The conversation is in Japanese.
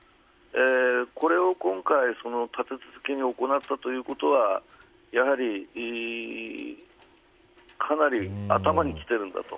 これを今回立て続けに行ったということはやはりかなり頭にきているんだと。